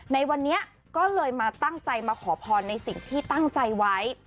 ในวันนี้ก็เลยมาตั้งใจมาขอพรในสิ่งที่ตั้งใจไว้